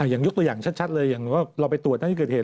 ยกตัวอย่างชัดเลยอย่างว่าเราไปตรวจหน้าที่เกิดเหตุ